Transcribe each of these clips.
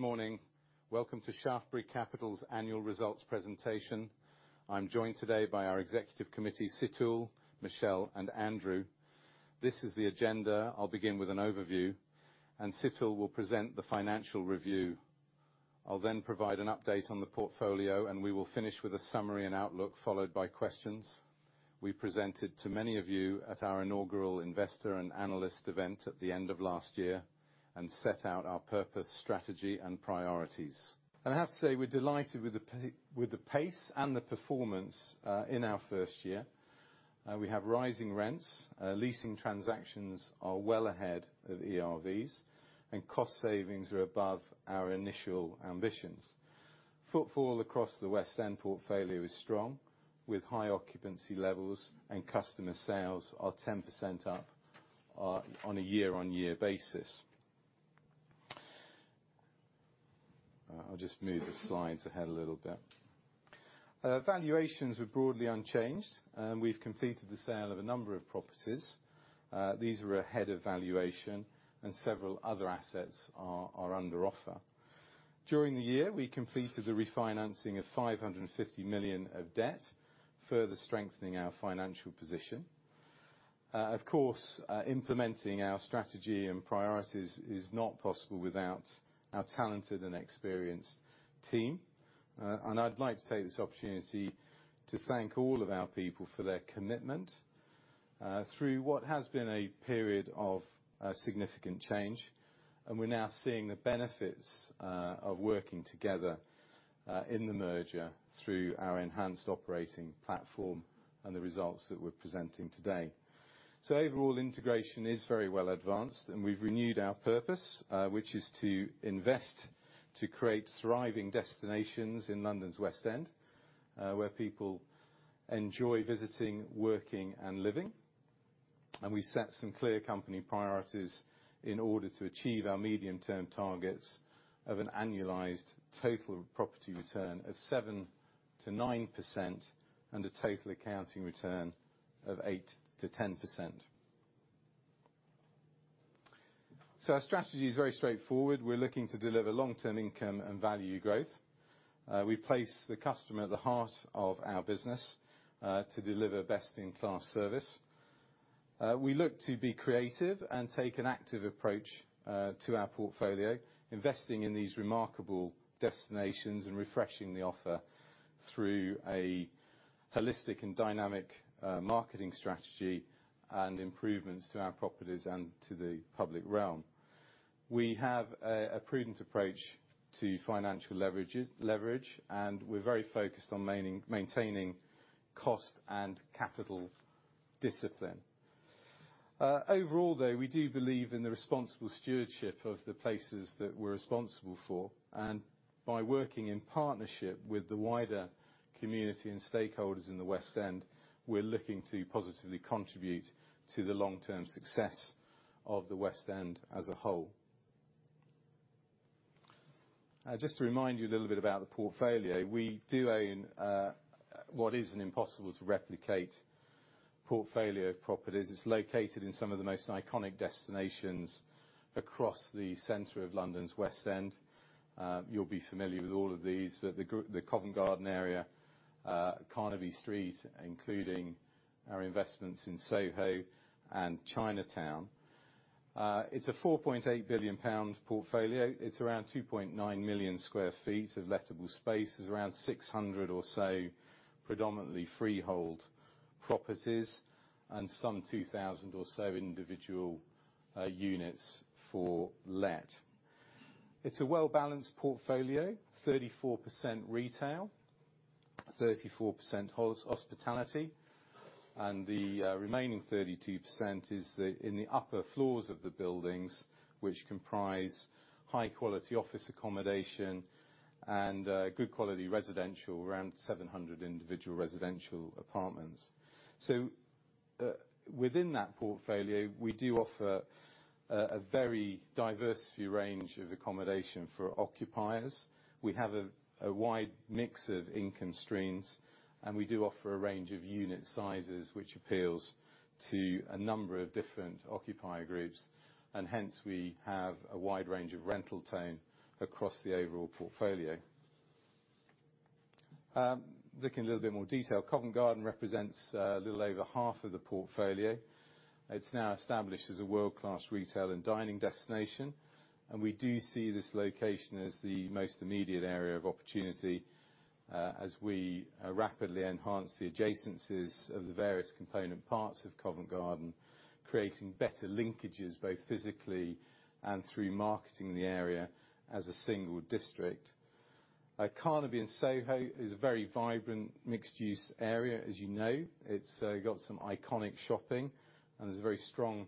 Good morning. Welcome to Shaftesbury Capital's Annual Results Presentation. I'm joined today by our executive committee, Situl, Michelle, and Andrew. This is the agenda: I'll begin with an overview, and Situl will present the financial review. I'll then provide an update on the portfolio, and we will finish with a summary and outlook followed by questions. We presented to many of you at our inaugural investor and analyst event at the end of last year and set out our purpose, strategy, and priorities. And I have to say, we're delighted with the pace and the performance, in our first year. We have rising rents, leasing transactions are well ahead of ERVs, and cost savings are above our initial ambitions. Footfall across the West End portfolio is strong, with high occupancy levels and customer sales are 10% up, on a year-on-year basis. I'll just move the slides ahead a little bit. Valuations were broadly unchanged, and we've completed the sale of a number of properties. These were ahead of valuation, and several other assets are under offer. During the year, we completed the refinancing of 550 million of debt, further strengthening our financial position. Of course, implementing our strategy and priorities is not possible without our talented and experienced team. And I'd like to take this opportunity to thank all of our people for their commitment through what has been a period of significant change, and we're now seeing the benefits of working together in the merger through our enhanced operating platform and the results that we're presenting today. So overall, integration is very well advanced, and we've renewed our purpose, which is to invest to create thriving destinations in London's West End, where people enjoy visiting, working, and living. We've set some clear company priorities in order to achieve our medium-term targets of an annualized total property return of 7%-9% and a total accounting return of 8%-10%. So our strategy is very straightforward. We're looking to deliver long-term income and value growth. We place the customer at the heart of our business, to deliver best-in-class service. We look to be creative and take an active approach to our portfolio, investing in these remarkable destinations and refreshing the offer through a holistic and dynamic marketing strategy and improvements to our properties and to the public realm. We have a prudent approach to financial leverage, and we're very focused on maintaining cost and capital discipline. Overall, though, we do believe in the responsible stewardship of the places that we're responsible for. And by working in partnership with the wider community and stakeholders in the West End, we're looking to positively contribute to the long-term success of the West End as a whole. Just to remind you a little bit about the portfolio, we do own what isn't impossible to replicate portfolio properties. It's located in some of the most iconic destinations across the center of London's West End. You'll be familiar with all of these, but the Covent Garden area, Carnaby Street, including our investments in Soho and Chinatown. It's a 4.8 billion pound portfolio. It's around 2.9 million sq ft of lettable space. There's around 600 or so predominantly freehold properties and some 2,000 or so individual units for let. It's a well-balanced portfolio: 34% retail, 34% hospitality, and the remaining 32% is in the upper floors of the buildings, which comprise high-quality office accommodation and good-quality residential, around 700 individual residential apartments. So, within that portfolio, we do offer a very diverse wide range of accommodation for occupiers. We have a wide mix of income streams, and we do offer a range of unit sizes, which appeals to a number of different occupier groups. And hence, we have a wide range of rental tone across the overall portfolio. Looking a little bit more in detail, Covent Garden represents a little over half of the portfolio. It's now established as a world-class retail and dining destination, and we do see this location as the most immediate area of opportunity, as we rapidly enhance the adjacencies of the various component parts of Covent Garden, creating better linkages both physically and through marketing the area as a single district. Carnaby in Soho is a very vibrant mixed-use area, as you know. It's got some iconic shopping, and there's a very strong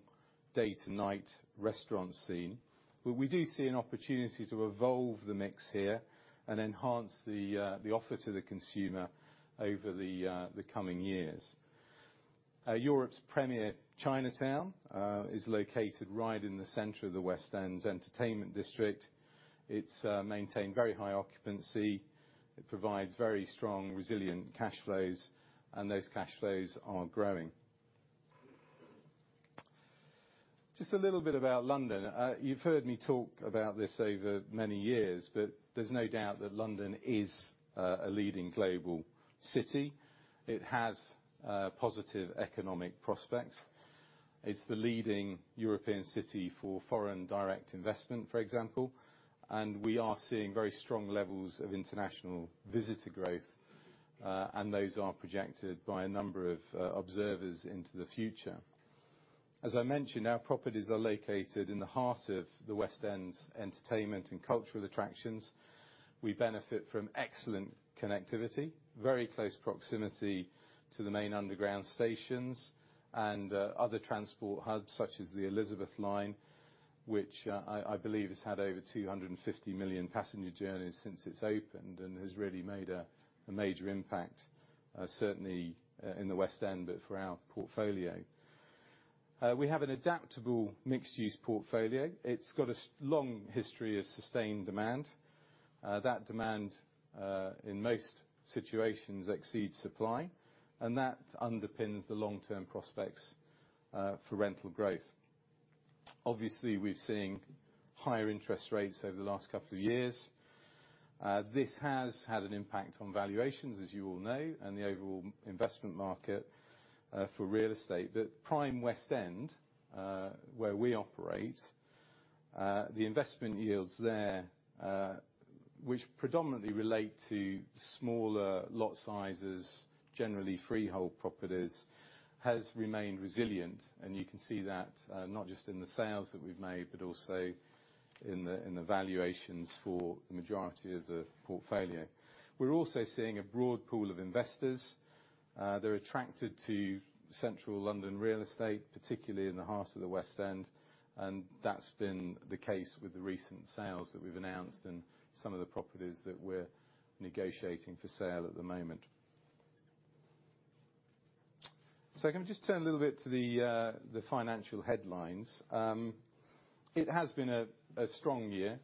day-to-night restaurant scene. We do see an opportunity to evolve the mix here and enhance the offer to the consumer over the coming years. Europe's premier Chinatown is located right in the center of the West End's entertainment district. It's maintained very high occupancy. It provides very strong resilient cash flows, and those cash flows are growing. Just a little bit about London. You've heard me talk about this over many years, but there's no doubt that London is a leading global city. It has positive economic prospects. It's the leading European city for foreign direct investment, for example, and we are seeing very strong levels of international visitor growth, and those are projected by a number of observers into the future. As I mentioned, our properties are located in the heart of the West End's entertainment and cultural attractions. We benefit from excellent connectivity, very close proximity to the main underground stations, and other transport hubs such as the Elizabeth Line, which I believe has had over 250 million passenger journeys since it's opened and has really made a major impact, certainly in the West End but for our portfolio. We have an adaptable mixed-use portfolio. It's got as long history of sustained demand. That demand in most situations exceeds supply, and that underpins the long-term prospects for rental growth. Obviously, we've seen higher interest rates over the last couple of years. This has had an impact on valuations, as you all know, and the overall investment market for real estate. But prime West End, where we operate, the investment yields there, which predominantly relate to smaller lot sizes, generally freehold properties, has remained resilient. And you can see that, not just in the sales that we've made but also in the valuations for the majority of the portfolio. We're also seeing a broad pool of investors. They're attracted to central London real estate, particularly in the heart of the West End, and that's been the case with the recent sales that we've announced and some of the properties that we're negotiating for sale at the moment. So can we just turn a little bit to the financial headlines? It has been a strong year.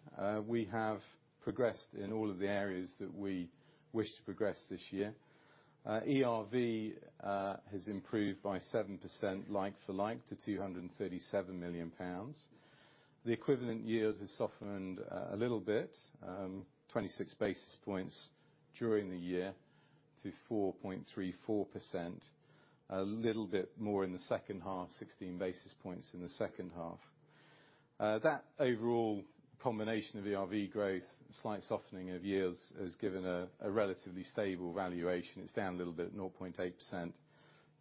We have progressed in all of the areas that we wish to progress this year. ERV has improved by 7% like for like to 237 million pounds. The equivalent yield has softened a little bit 26 basis points during the year to 4.34%, a little bit more in the second half, 16 basis points in the second half. That overall combination of ERV growth, slight softening of yields, has given a relatively stable valuation. It's down a little bit 0.8%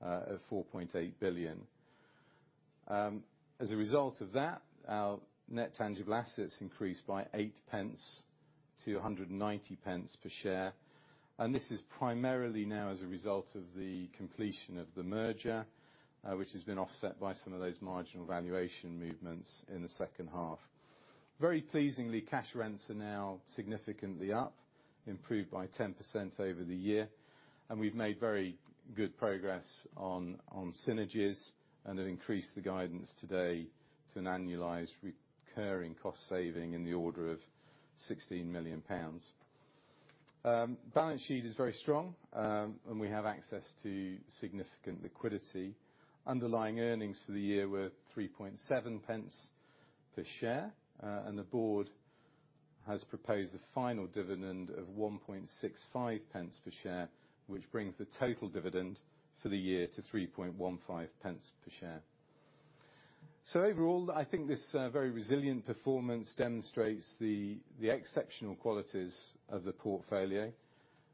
of 4.8 billion. As a result of that, our net tangible assets increased by 0.08 to 1.90 per share. This is primarily now as a result of the completion of the merger, which has been offset by some of those marginal valuation movements in the second half. Very pleasingly, cash rents are now significantly up, improved by 10% over the year. We've made very good progress on, on synergies, and have increased the guidance today to an annualized recurring cost saving in the order of 16 million pounds. Balance sheet is very strong, and we have access to significant liquidity. Underlying earnings for the year were 0.037 per share, and the board has proposed a final dividend of 0.0165 per share, which brings the total dividend for the year to 0.0315 per share. Overall, I think this, very resilient performance demonstrates the, the exceptional qualities of the portfolio,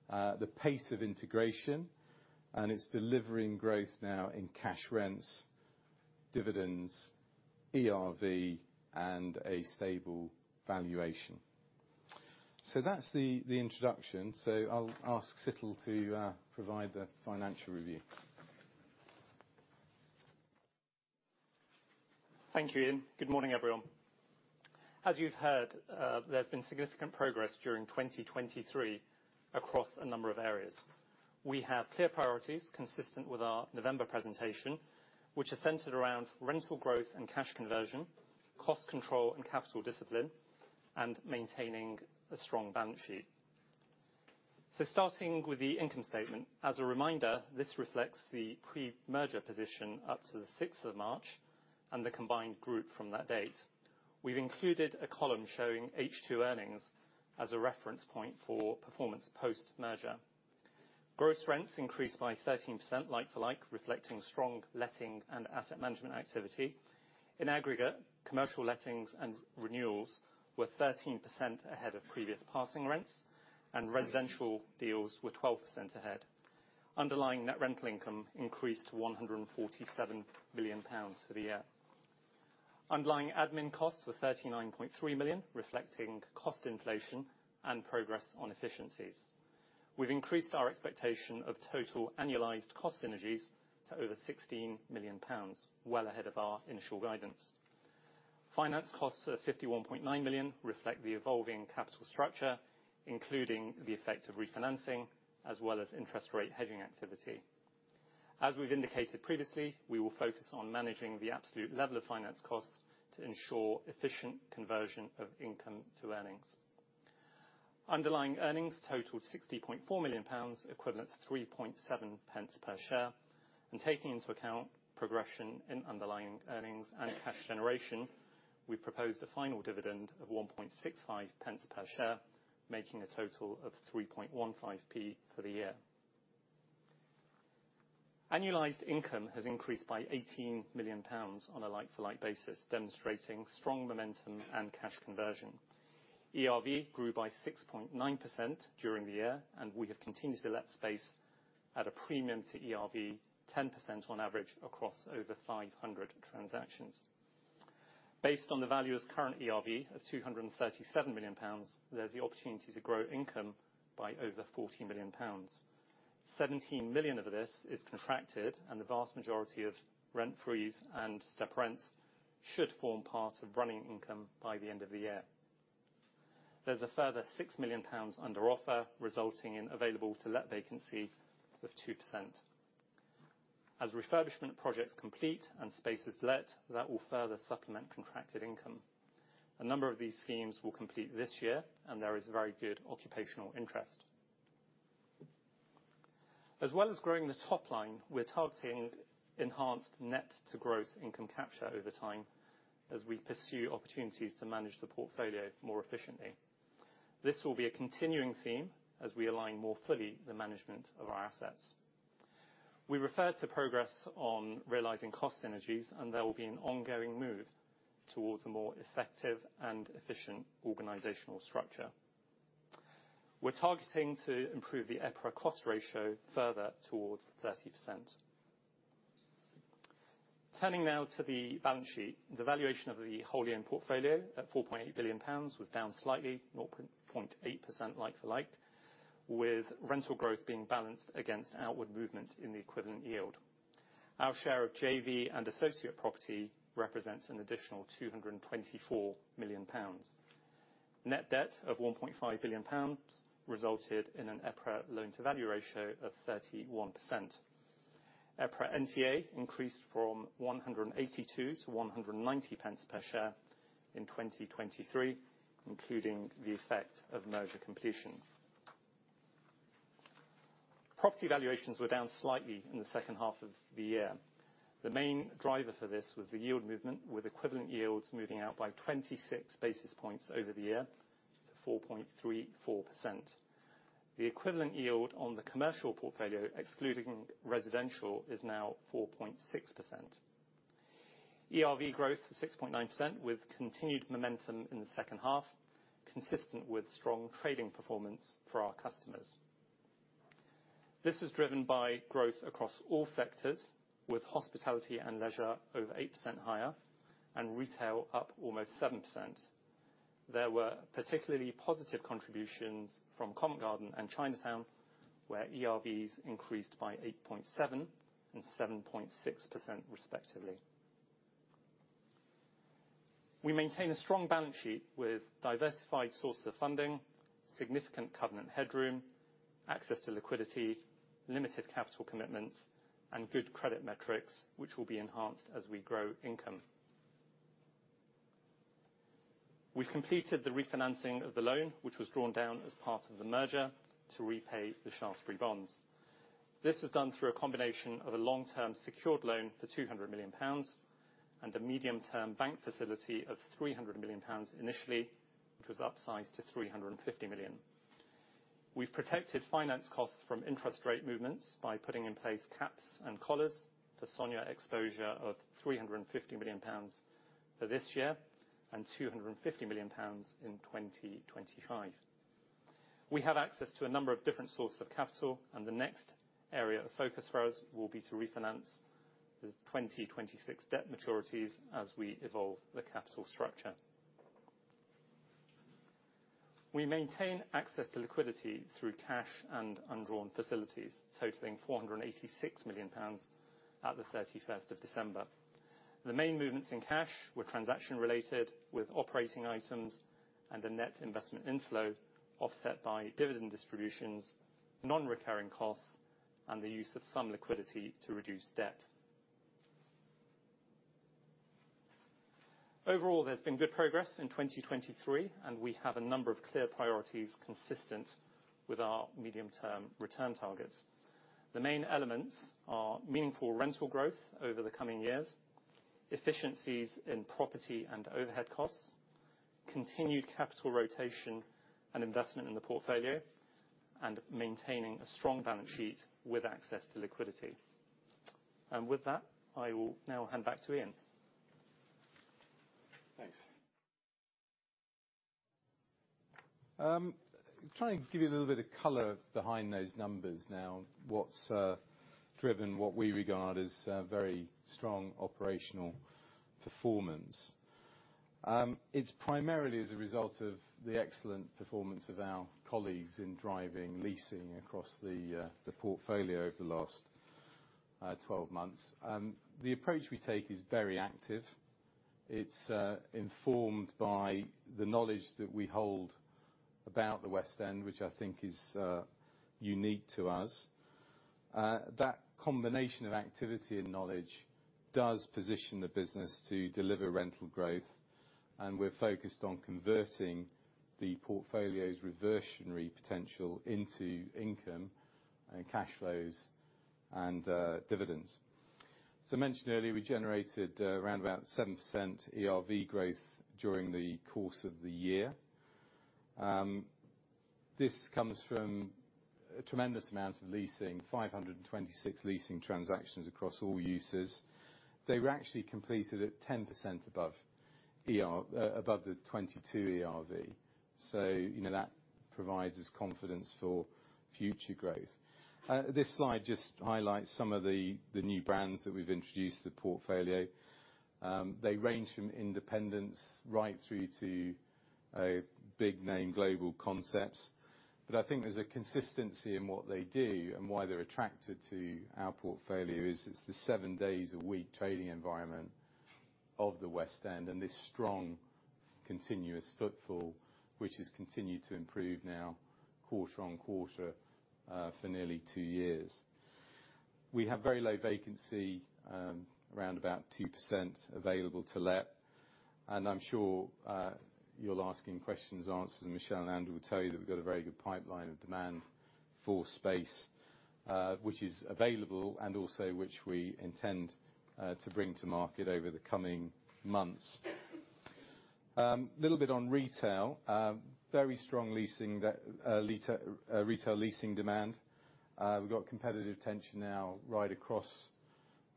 the pace of integration, and it's delivering growth now in cash rents, dividends, ERV, and a stable valuation. That's the, the introduction. I'll ask Situl to provide the financial review. Thank you, Ian. Good morning, everyone. As you've heard, there's been significant progress during 2023 across a number of areas. We have clear priorities consistent with our November presentation, which are centered around rental growth and cash conversion, cost control, and capital discipline, and maintaining a strong balance sheet. So starting with the income statement, as a reminder, this reflects the pre-merger position up to the 6th of March and the combined group from that date. We've included a column showing H2 earnings as a reference point for performance post-merger. Gross rents increased by 13% like for like, reflecting strong letting and asset management activity. In aggregate, commercial lettings and renewals were 13% ahead of previous passing rents, and residential deals were 12% ahead. Underlying net rental income increased to 147 million pounds for the year. Underlying admin costs were 39.3 million, reflecting cost inflation and progress on efficiencies. We've increased our expectation of total annualized cost synergies to over 16 million pounds, well ahead of our initial guidance. Finance costs of 51.9 million reflect the evolving capital structure, including the effect of refinancing as well as interest rate hedging activity. As we've indicated previously, we will focus on managing the absolute level of finance costs to ensure efficient conversion of income to earnings. Underlying earnings totaled 60.4 million pounds, equivalent to 0.037 per share. Taking into account progression in underlying earnings and cash generation, we've proposed a final dividend of 0.0165 per share, making a total of 0.0315 for the year. Annualized income has increased by 18 million pounds on a like-for-like basis, demonstrating strong momentum and cash conversion. ERV grew by 6.9% during the year, and we have continued to let space at a premium to ERV, 10% on average across over 500 transactions. Based on the value of current ERV of 237 million pounds, there's the opportunity to grow income by over 40 million pounds. 17 million of this is contracted, and the vast majority of rent frees and step rents should form part of running income by the end of the year. There's a further 6 million pounds under offer, resulting in available-to-let vacancy of 2%. As refurbishment projects complete and space is let, that will further supplement contracted income. A number of these schemes will complete this year, and there is very good occupational interest. As well as growing the top line, we're targeting enhanced net-to-gross income capture over time as we pursue opportunities to manage the portfolio more efficiently. This will be a continuing theme as we align more fully the management of our assets. We refer to progress on realizing cost synergies, and there will be an ongoing move towards a more effective and efficient organizational structure. We're targeting to improve the EPRA Cost Ratio further towards 30%. Turning now to the balance sheet, the valuation of the whole-year portfolio at 4.8 billion pounds was down slightly, 0.8% like for like, with rental growth being balanced against outward movement in the equivalent yield. Our share of JV and associate property represents an additional 224 million pounds. Net debt of 1.5 billion pounds resulted in an EPRA loan-to-value ratio of 31%. EPRA NTA increased from 182 to 190 pence per share in 2023, including the effect of merger completion. Property valuations were down slightly in the second half of the year. The main driver for this was the yield movement, with equivalent yields moving out by 26 basis points over the year to 4.34%. The equivalent yield on the commercial portfolio, excluding residential, is now 4.6%. ERV growth was 6.9% with continued momentum in the second half, consistent with strong trading performance for our customers. This was driven by growth across all sectors, with hospitality and leisure over 8% higher and retail up almost 7%. There were particularly positive contributions from Covent Garden and Chinatown, where ERVs increased by 8.7% and 7.6% respectively. We maintain a strong balance sheet with diversified sources of funding, significant covenant headroom, access to liquidity, limited capital commitments, and good credit metrics, which will be enhanced as we grow income. We've completed the refinancing of the loan, which was drawn down as part of the merger to repay the Shaftesbury bonds. This was done through a combination of a long-term secured loan for 200 million pounds and a medium-term bank facility of 300 million pounds initially, which was upsized to 350 million. We've protected finance costs from interest rate movements by putting in place caps and collars for SONIA exposure of 350 million pounds for this year and 250 million pounds in 2025. We have access to a number of different sources of capital, and the next area of focus for us will be to refinance the 2026 debt maturities as we evolve the capital structure. We maintain access to liquidity through cash and undrawn facilities, totaling 486 million pounds at the 31st of December. The main movements in cash were transaction-related, with operating items and a net investment inflow offset by dividend distributions, non-recurring costs, and the use of some liquidity to reduce debt. Overall, there's been good progress in 2023, and we have a number of clear priorities consistent with our medium-term return targets. The main elements are meaningful rental growth over the coming years, efficiencies in property and overhead costs, continued capital rotation and investment in the portfolio, and maintaining a strong balance sheet with access to liquidity. And with that, I will now hand back to Ian. Thanks. Trying to give you a little bit of color behind those numbers now, what's driven what we regard as very strong operational performance. It's primarily as a result of the excellent performance of our colleagues in driving leasing across the portfolio over the last 12 months. The approach we take is very active. It's informed by the knowledge that we hold about the West End, which I think is unique to us. That combination of activity and knowledge does position the business to deliver rental growth, and we're focused on converting the portfolio's reversionary potential into income and cash flows and dividends. As I mentioned earlier, we generated around about 7% ERV growth during the course of the year. This comes from a tremendous amount of leasing, 526 leasing transactions across all uses. They were actually completed at 10% above the 2022 ERV. So, you know, that provides us confidence for future growth. This slide just highlights some of the, the new brands that we've introduced to the portfolio. They range from independents right through to big-name global concepts. But I think there's a consistency in what they do and why they're attracted to our portfolio is it's the seven days a week trading environment of the West End and this strong continuous footfall, which has continued to improve now quarter-on-quarter, for nearly two years. We have very low vacancy, around about 2% available to let. I'm sure, you'll ask in questions and answers, and Michelle and Andrew will tell you that we've got a very good pipeline of demand for space, which is available and also which we intend to bring to market over the coming months. A little bit on retail. Very strong leasing that led retail leasing demand. We've got competitive tension now right across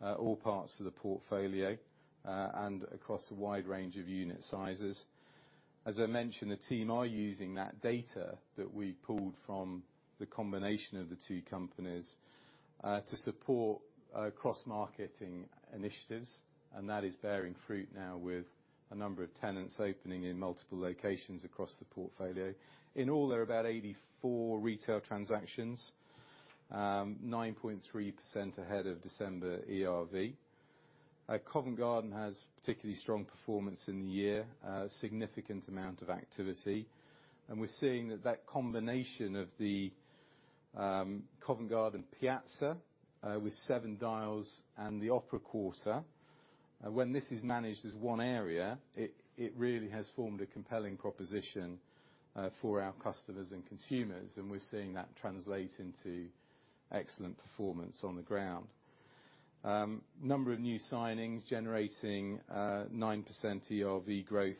all parts of the portfolio, and across a wide range of unit sizes. As I mentioned, the team are using that data that we've pulled from the combination of the two companies, to support cross-marketing initiatives, and that is bearing fruit now with a number of tenants opening in multiple locations across the portfolio. In all, there are about 84 retail transactions, 9.3% ahead of December ERV. Covent Garden has particularly strong performance in the year, significant amount of activity. We're seeing that that combination of the Covent Garden Piazza, with Seven Dials and the Opera Quarter, when this is managed as one area, it really has formed a compelling proposition for our customers and consumers, and we're seeing that translate into excellent performance on the ground. number of new signings generating 9% ERV growth,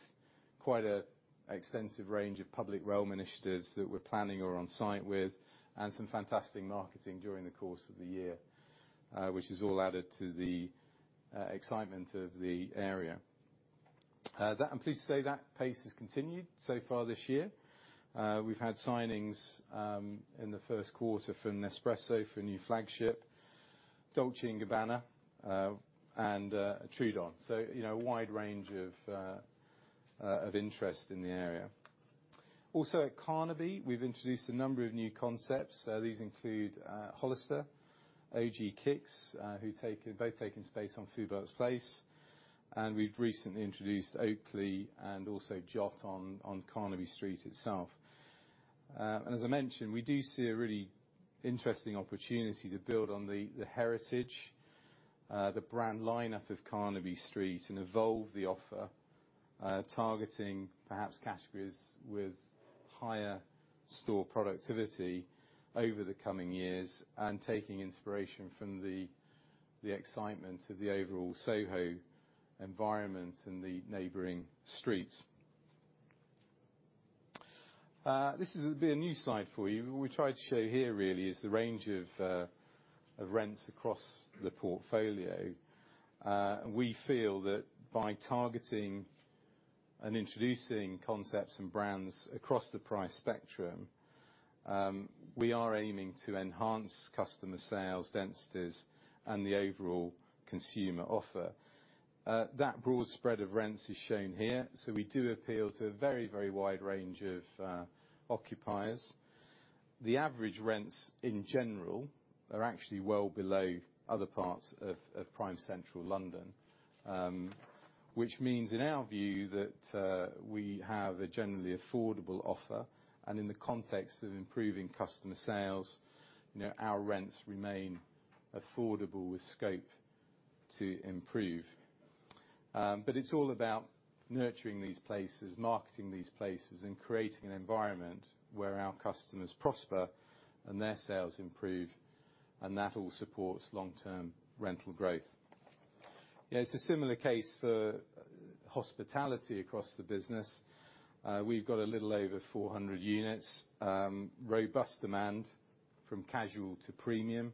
quite an extensive range of public realm initiatives that we're planning or on site with, and some fantastic marketing during the course of the year, which has all added to the excitement of the area. That I'm pleased to say that pace has continued so far this year. We've had signings in the first quarter from Nespresso for a new flagship, Dolce & Gabbana, and Trudon. So, you know, a wide range of interest in the area. Also, at Carnaby, we've introduced a number of new concepts. These include Hollister, OG Kicks, both taking space on Foubert's Place. And we've recently introduced Oakley and also Notto on Carnaby Street itself. And as I mentioned, we do see a really interesting opportunity to build on the heritage, the brand lineup of Carnaby Street and evolve the offer, targeting perhaps categories with higher store productivity over the coming years and taking inspiration from the excitement of the overall Soho environment and the neighbouring streets. This is a bit a new slide for you. What we tried to show here, really, is the range of rents across the portfolio. We feel that by targeting and introducing concepts and brands across the price spectrum, we are aiming to enhance customer sales densities and the overall consumer offer. That broad spread of rents is shown here. So we do appeal to a very, very wide range of occupiers. The average rents in general are actually well below other parts of prime central London, which means in our view that we have a generally affordable offer. In the context of improving customer sales, you know, our rents remain affordable with scope to improve. But it's all about nurturing these places, marketing these places, and creating an environment where our customers prosper and their sales improve, and that all supports long-term rental growth. Yeah, it's a similar case for hospitality across the business. We've got a little over 400 units, robust demand from casual to premium,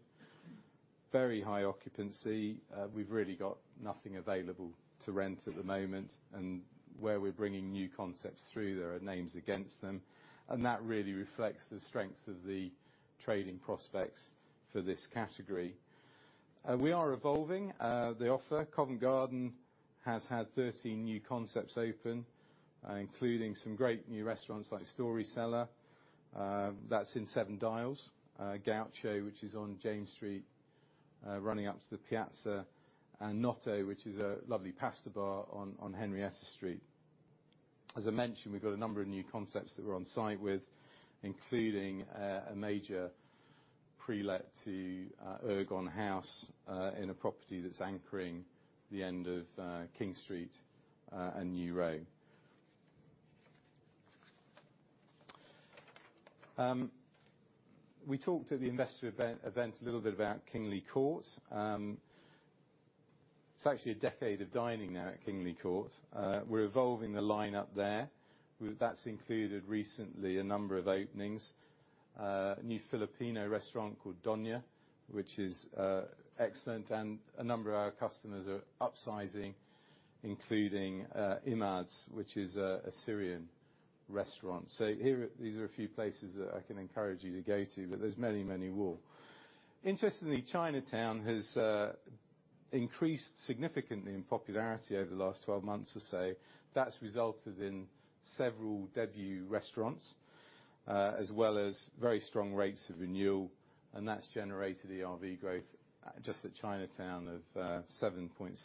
very high occupancy. We've really got nothing available to rent at the moment, and where we're bringing new concepts through, there are names against them. That really reflects the strength of the trading prospects for this category. We are evolving the offer. Covent Garden has had 13 new concepts open, including some great new restaurants like Story Cellar. That's in Seven Dials, Gaucho, which is on James Street, running up to the Piazza, and Notto, which is a lovely pasta bar on Henrietta Street. As I mentioned, we've got a number of new concepts that we're on site with, including a major pre-let to Ergon House, in a property that's anchoring the end of King Street and New Row. We talked at the investor event a little bit about Kingly Court. It's actually a decade of dining now at Kingly Court. We're evolving the lineup there. That's included recently a number of openings. New Filipino restaurant called Donia, which is excellent, and a number of our customers are upsizing, including Imad's, which is a Syrian restaurant. So here are a few places that I can encourage you to go to, but there's many, many more. Interestingly, Chinatown has increased significantly in popularity over the last 12 months or so. That's resulted in several debut restaurants, as well as very strong rates of renewal, and that's generated ERV growth, just at Chinatown of 7.6%.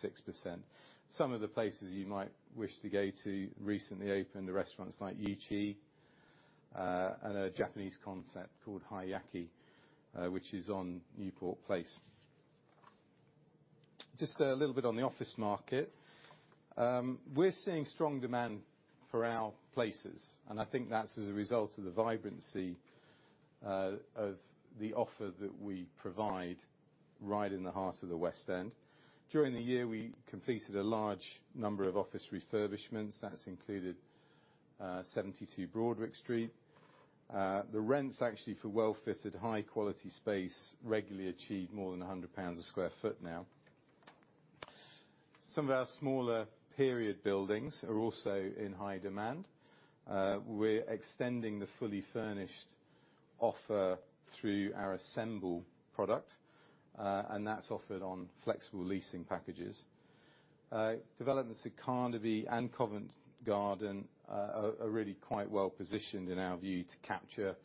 Some of the places you might wish to go to recently opened are restaurants like YiQi, and a Japanese concept called High Yaki, which is on Newport Place. Just a little bit on the office market. We're seeing strong demand for our places, and I think that's as a result of the vibrancy of the offer that we provide right in the heart of the West End. During the year, we completed a large number of office refurbishments. That's included 72 Broadwick Street. The rents actually for well-fitted, high-quality space regularly achieve more than 100 pounds per sq ft now. Some of our smaller period buildings are also in high demand. We're extending the fully furnished offer through our Assemble product, and that's offered on flexible leasing packages. Developments at Carnaby and Covent Garden are really quite well positioned in our view to capture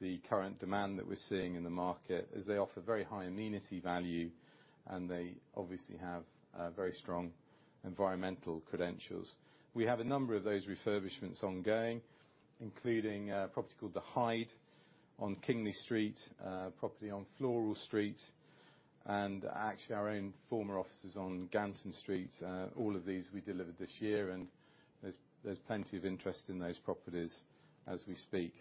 the current demand that we're seeing in the market as they offer very high amenity value, and they obviously have very strong environmental credentials. We have a number of those refurbishments ongoing, including a property called The Hyde on Kingly Street, a property on Floral Street, and actually our own former offices on Ganton Street. All of these we delivered this year, and there's plenty of interest in those properties as we speak.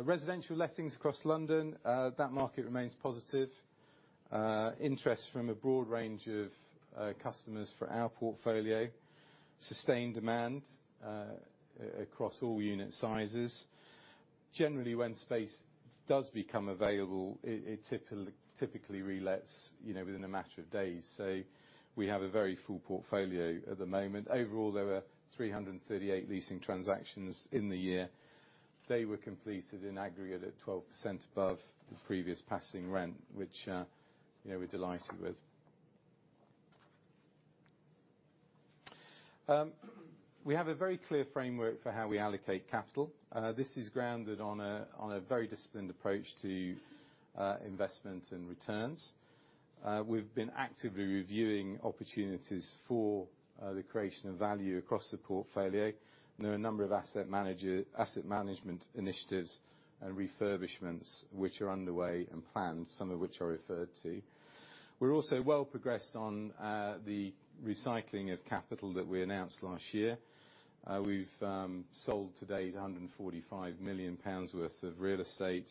Residential lettings across London, that market remains positive. Interest from a broad range of customers for our portfolio, sustained demand across all unit sizes. Generally, when space does become available, it typically relets, you know, within a matter of days. So we have a very full portfolio at the moment. Overall, there were 338 leasing transactions in the year. They were completed in aggregate at 12% above the previous passing rent, which, you know, we're delighted with. We have a very clear framework for how we allocate capital. This is grounded on a very disciplined approach to investment and returns. We've been actively reviewing opportunities for the creation of value across the portfolio. There are a number of asset management initiatives and refurbishments which are underway and planned, some of which are referred to. We're also well progressed on the recycling of capital that we announced last year. We've sold to date 145 million pounds worth of real estate.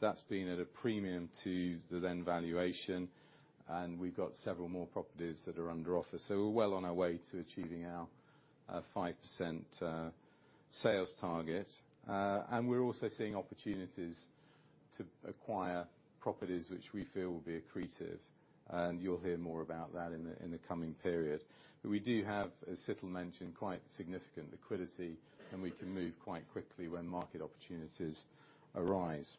That's been at a premium to the then valuation, and we've got several more properties that are under offer. So we're well on our way to achieving our 5% sales target. And we're also seeing opportunities to acquire properties which we feel will be accretive, and you'll hear more about that in the coming period. But we do have, as Situl mentioned, quite significant liquidity, and we can move quite quickly when market opportunities arise.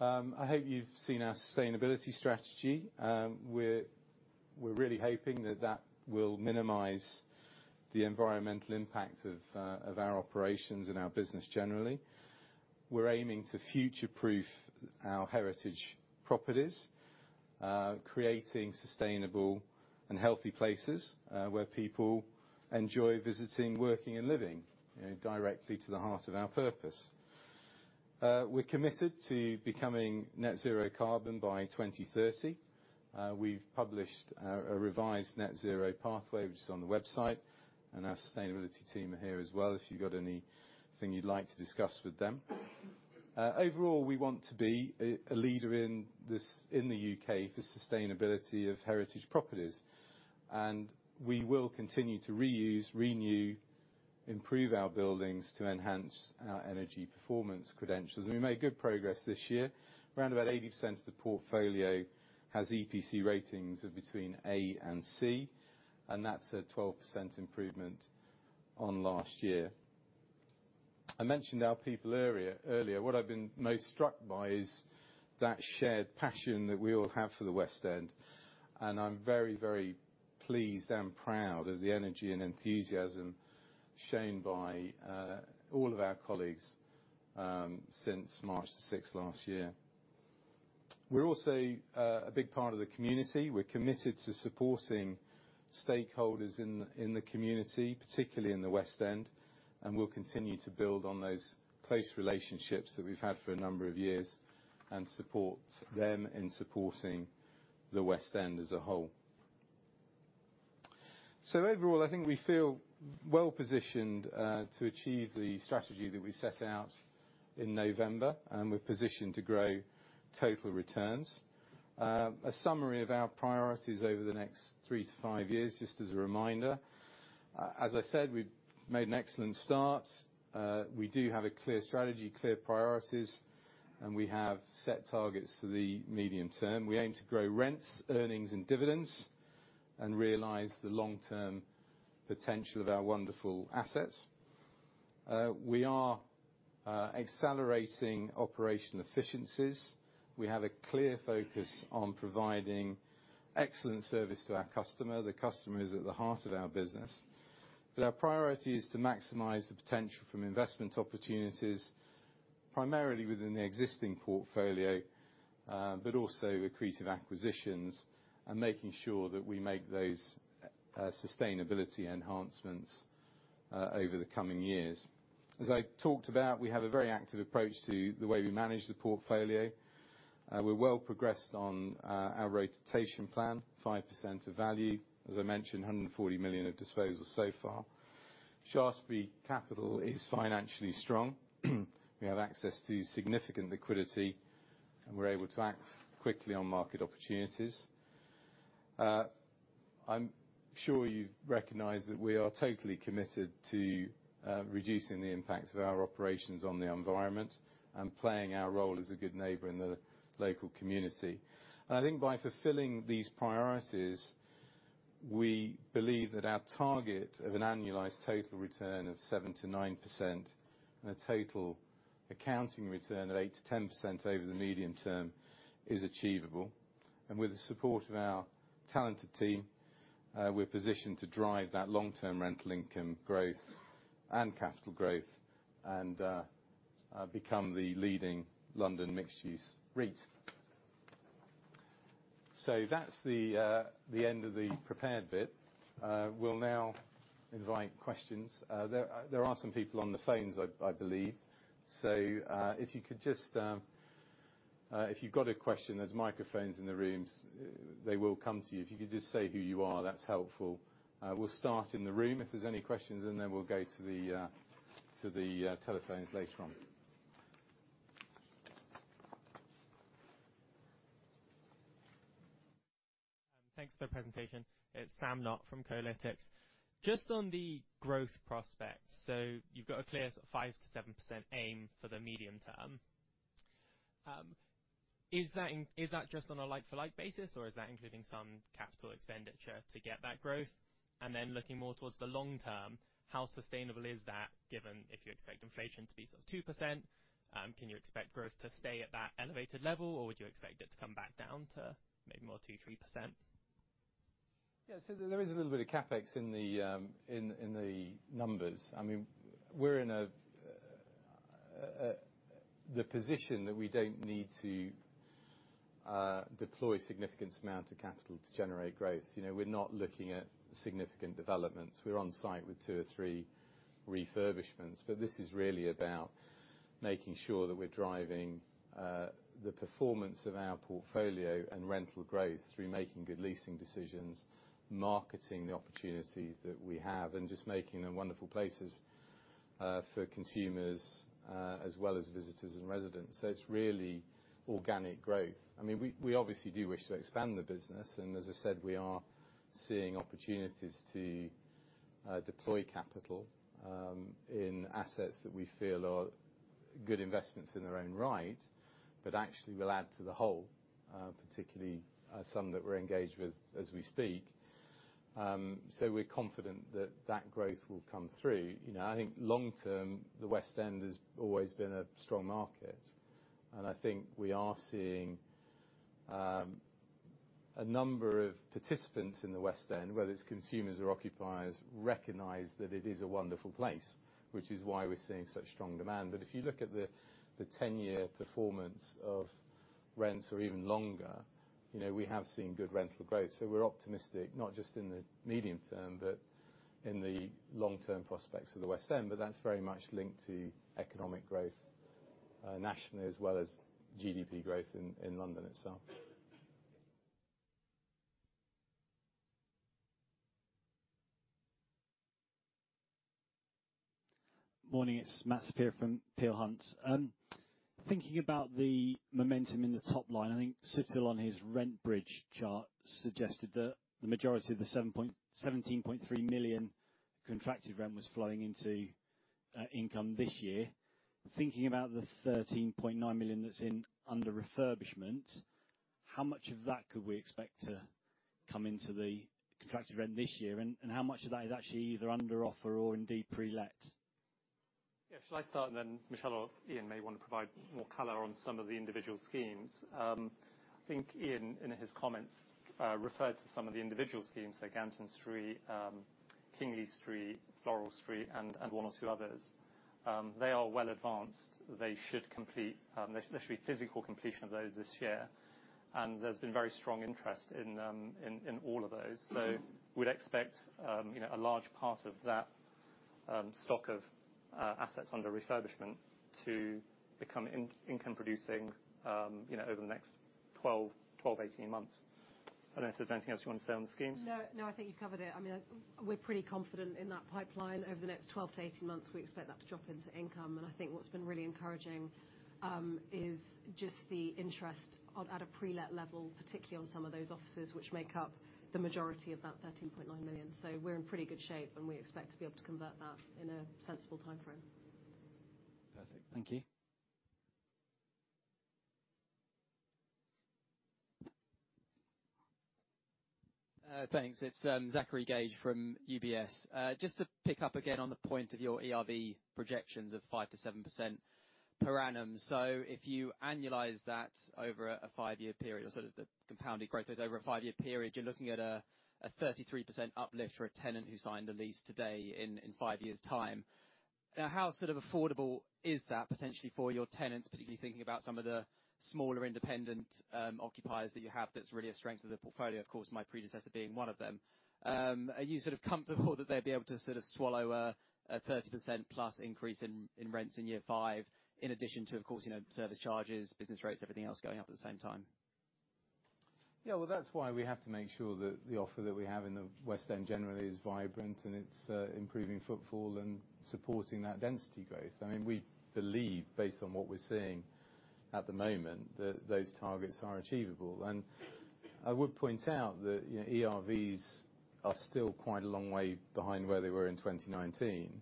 I hope you've seen our sustainability strategy. We're really hoping that that will minimize the environmental impact of our operations and our business generally. We're aiming to future-proof our heritage properties, creating sustainable and healthy places, where people enjoy visiting, working, and living, you know, directly to the heart of our purpose. We're committed to becoming net-zero carbon by 2030. We've published a revised net-zero pathway, which is on the website, and our sustainability team are here as well if you've got anything you'd like to discuss with them. Overall, we want to be a leader in this in the U.K. for sustainability of heritage properties, and we will continue to reuse, renew, improve our buildings to enhance our energy performance credentials. We made good progress this year. Around about 80% of the portfolio has EPC ratings of between A and C, and that's a 12% improvement on last year. I mentioned our people earlier. Earlier, what I've been most struck by is that shared passion that we all have for the West End, and I'm very, very pleased and proud of the energy and enthusiasm shown by all of our colleagues, since March the 6th last year. We're also a big part of the community. We're committed to supporting stakeholders in the community, particularly in the West End, and we'll continue to build on those close relationships that we've had for a number of years and support them in supporting the West End as a whole. So overall, I think we feel well positioned to achieve the strategy that we set out in November, and we're positioned to grow total returns. A summary of our priorities over the next three to five years, just as a reminder. As I said, we've made an excellent start. We do have a clear strategy, clear priorities, and we have set targets for the medium term. We aim to grow rents, earnings, and dividends and realize the long-term potential of our wonderful assets. We are accelerating operational efficiencies. We have a clear focus on providing excellent service to our customer. The customer is at the heart of our business. But our priority is to maximize the potential from investment opportunities, primarily within the existing portfolio, but also accretive acquisitions and making sure that we make those sustainability enhancements over the coming years. As I talked about, we have a very active approach to the way we manage the portfolio. We're well progressed on our rotation plan, 5% of value. As I mentioned, 140 million of disposal so far. Shaftesbury Capital is financially strong. We have access to significant liquidity, and we're able to act quickly on market opportunities. I'm sure you recognize that we are totally committed to reducing the impact of our operations on the environment and playing our role as a good neighbor in the local community. And I think by fulfilling these priorities, we believe that our target of an annualized total return of 7%-9% and a total accounting return of 8%-10% over the medium term is achievable. And with the support of our talented team, we're positioned to drive that long-term rental income growth and capital growth and, become the leading London mixed-use REIT. So that's the, the end of the prepared bit. We'll now invite questions. There, there are some people on the phones, I, I believe. So, if you could just, if you've got a question, there's microphones in the rooms. They will come to you. If you could just say who you are, that's helpful. We'll start in the room. If there's any questions, then they will go to the, to the, telephones later on. Thanks for the presentation. It's Sam Knott from CoLytics. Just on the growth prospects, so you've got a clear sort of 5%-7% aim for the medium term. Is that in is that just on a like-for-like basis, or is that including some capital expenditure to get that growth? And then looking more towards the long term, how sustainable is that given if you expect inflation to be sort of 2%? Can you expect growth to stay at that elevated level, or would you expect it to come back down to maybe more 2%-3%? Yeah, so there is a little bit of CapEx in the numbers. I mean, we're in the position that we don't need to deploy a significant amount of capital to generate growth. You know, we're not looking at significant developments. We're on site with two or three refurbishments. But this is really about making sure that we're driving the performance of our portfolio and rental growth through making good leasing decisions, marketing the opportunities that we have, and just making them wonderful places for consumers, as well as visitors and residents. So it's really organic growth. I mean, we obviously do wish to expand the business, and as I said, we are seeing opportunities to deploy capital in assets that we feel are good investments in their own right but actually will add to the whole, particularly some that we're engaged with as we speak. So we're confident that that growth will come through. You know, I think long term, the West End has always been a strong market, and I think we are seeing a number of participants in the West End, whether it's consumers or occupiers, recognize that it is a wonderful place, which is why we're seeing such strong demand. But if you look at the 10-year performance of rents or even longer, you know, we have seen good rental growth. We're optimistic, not just in the medium term but in the long-term prospects of the West End, but that's very much linked to economic growth, nationally as well as GDP growth in London itself. Morning. It's Matt Spear from Peel Hunt. Thinking about the momentum in the top line, I think Situl on his rent bridge chart suggested that the majority of the 7.1 million-7.3 million contracted rent was flowing into income this year. Thinking about the 13.9 million that's in under refurbishments, how much of that could we expect to come into the contracted rent this year, and how much of that is actually either under offer or indeed prelet? Yeah, shall I start, and then Michelle or Ian may want to provide more color on some of the individual schemes? I think Ian, in his comments, referred to some of the individual schemes, so Ganton Street, Kingley Street, Floral Street, and, and one or two others. They are well advanced. They should complete. There should be physical completion of those this year, and there's been very strong interest in, in, in all of those. So we'd expect, you know, a large part of that, stock of, assets under refurbishment to become income-producing, you know, over the next 12, 12, 18 months. I don't know if there's anything else you want to say on the schemes. No, no, I think you've covered it. I mean, we're pretty confident in that pipeline. Over the next 12-18 months, we expect that to drop into income, and I think what's been really encouraging, is just the interest on at a prelet level, particularly on some of those offices which make up the majority of that 13.9 million. So we're in pretty good shape, and we expect to be able to convert that in a sensible timeframe. Perfect. Thank you. Thanks. It's Zachary Gauge from UBS. Just to pick up again on the point of your ERV projections of 5%-7% per annum. So if you annualised that over a five-year period or sort of the compounded growth rate over a five-year period, you're looking at a 33% uplift for a tenant who signed the lease today in five years' time. Now, how sort of affordable is that potentially for your tenants, particularly thinking about some of the smaller independent occupiers that you have that's really a strength of the portfolio, of course, my predecessor being one of them? Are you sort of comfortable that they'd be able to sort of swallow a 30%-plus increase in rents in year five in addition to, of course, you know, service charges, business rates, everything else going up at the same time? Yeah, well, that's why we have to make sure that the offer that we have in the West End generally is vibrant, and it's improving footfall and supporting that density growth. I mean, we believe, based on what we're seeing at the moment, that those targets are achievable. And I would point out that, you know, ERVs are still quite a long way behind where they were in 2019,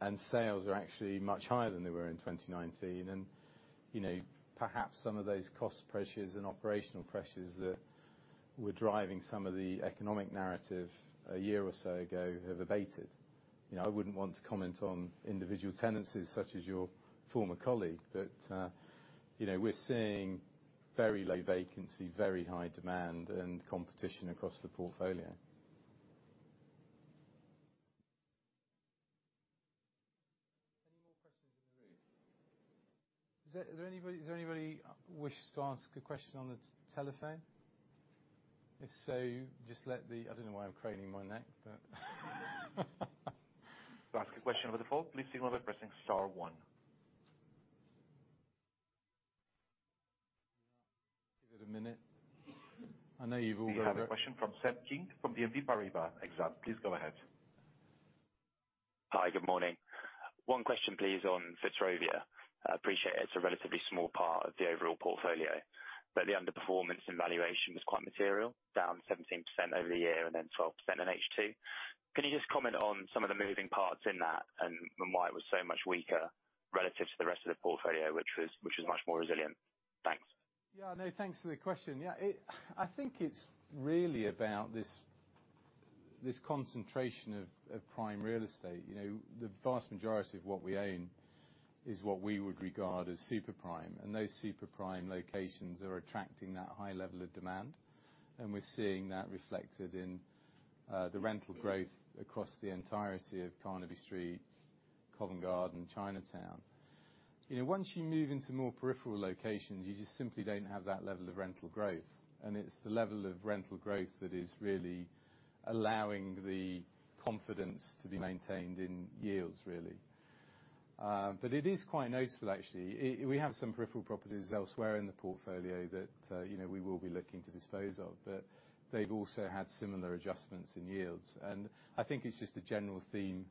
and sales are actually much higher than they were in 2019. And, you know, perhaps some of those cost pressures and operational pressures that were driving some of the economic narrative a year or so ago have abated. You know, I wouldn't want to comment on individual tenancies such as your former colleague, but, you know, we're seeing very low vacancy, very high demand, and competition across the portfolio. Any more questions in the room? Is there anybody who wishes to ask a question on the telephone? If so, just let the—I don't know why I'm craning my neck, but. To ask a question over the phone, please do remember pressing star one. Give it a minute. I know you've all got a runner. We have a question from Seb King from BNP Paribas. Seb, please go ahead. Hi, good morning. One question, please, on Fitzrovia. Appreciate it. It's a relatively small part of the overall portfolio, but the underperformance in valuation was quite material, down 17% over the year and then 12% in H2. Can you just comment on some of the moving parts in that and why it was so much weaker relative to the rest of the portfolio, which was much more resilient? Thanks. Yeah, no, thanks for the question. Yeah, I think it's really about this concentration of prime real estate. You know, the vast majority of what we own is what we would regard as superprime, and those superprime locations are attracting that high level of demand. And we're seeing that reflected in the rental growth across the entirety of Carnaby Street, Covent Garden, Chinatown. You know, once you move into more peripheral locations, you just simply don't have that level of rental growth, and it's the level of rental growth that is really allowing the confidence to be maintained in yields, really. But it is quite noticeable, actually. We have some peripheral properties elsewhere in the portfolio that, you know, we will be looking to dispose of, but they've also had similar adjustments in yields. And I think it's just a general theme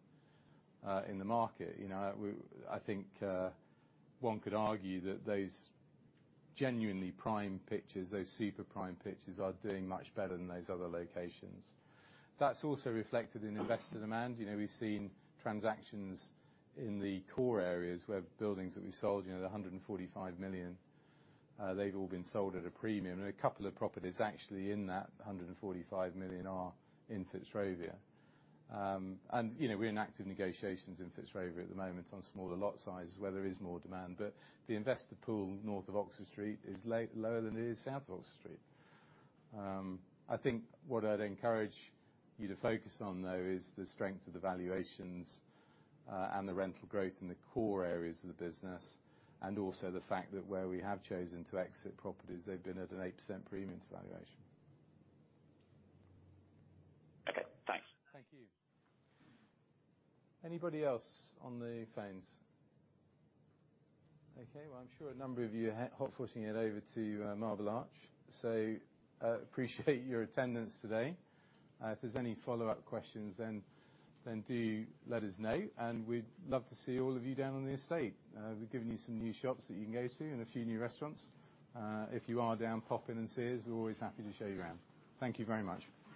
in the market. You know, we, I think, one could argue that those genuinely prime pictures, those superprime pictures, are doing much better than those other locations. That's also reflected in investor demand. You know, we've seen transactions in the core areas where buildings that we sold, you know, the 145 million, they've all been sold at a premium. And a couple of properties actually in that 145 million are in Fitzrovia. And, you know, we're in active negotiations in Fitzrovia at the moment on smaller lot sizes where there is more demand, but the investor pool north of Oxford Street is a lower than it is south of Oxford Street. I think what I'd encourage you to focus on, though, is the strength of the valuations, and the rental growth in the core areas of the business and also the fact that where we have chosen to exit properties, they've been at an 8% premium to valuation. Okay. Thanks. Thank you. Anybody else on the phones? Okay. Well, I'm sure a number of you are heading over to Marble Arch. So, appreciate your attendance today. If there's any follow-up questions, then do let us know, and we'd love to see all of you down on the estate. We've given you some new shops that you can go to and a few new restaurants. If you are down, pop in and see us. We're always happy to show you around. Thank you very much.